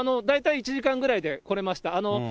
大体１時間ぐらいで来れました。